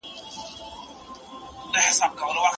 خير دی! زما روح ته، ته هم آب حيات ولېږه